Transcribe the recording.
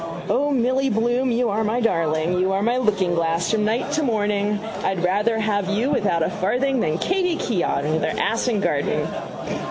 O, Milly Bloom, you are my darling. You are my lookingglass from night to morning. I'd rather have you without a farthing Than Katey Keogh with her ass and garden.